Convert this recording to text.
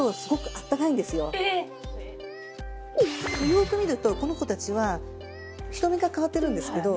よく見るとこの子たちは瞳が変わってるんですけど。